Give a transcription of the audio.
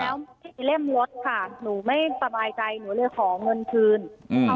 แล้วเล่มรถค่ะหนูไม่สบายใจหนูเลยขอเงินคืน